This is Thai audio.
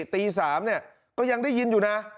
ตี๓ก็ยังได้ยินอยู่นะ